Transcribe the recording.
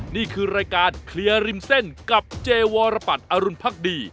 นี่คือรายการเคลียร์ริมเส้นกับเจวรปัตรอรุณพักดี